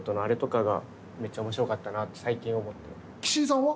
あれとかがめっちゃ面白かったなと最近思ってます。